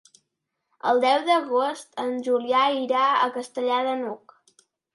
El deu d'agost en Julià irà a Castellar de n'Hug.